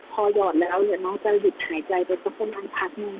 พอหยอดแล้วเนี่ยน้องจะหยุดหายใจไปสักประมาณพักหนึ่ง